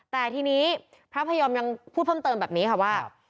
แต่ทีนี้พระพยอมยังพูดเพิ่มเติมแบบนี้ค่ะว่า